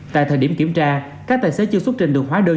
tại thời điểm kiểm tra các tài xế chưa xuất trình được hóa đơn